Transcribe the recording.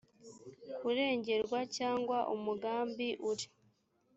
kurengerwa cyangwa umugambi uri